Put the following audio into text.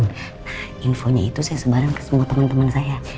nah infonya itu saya sebarang ke semua teman teman saya